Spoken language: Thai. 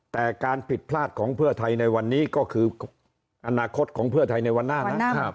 แต่การผิดพลาดของเพื่อไทยในวันนี้ก็คืออนาคตของเพื่อไทยในวันหน้านะ